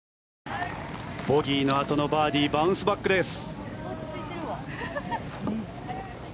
ボギーのあとのバーディーバウンスバックです。